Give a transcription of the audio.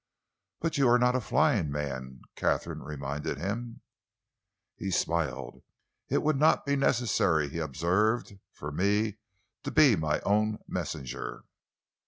"But you are not a flying man," Katharine reminded him. He smiled. "It would not be necessary," he observed, "for me to be my own messenger."